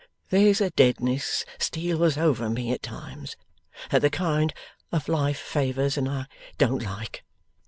There's a deadness steals over me at times, that the kind of life favours and I don't like.